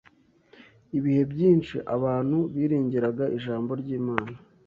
Ibihe byinshi abantu biringiraga Ijambo ry’Imana